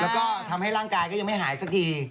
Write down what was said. แล้วก็ทำให้ร่างกายก็ยังไม่หายสักที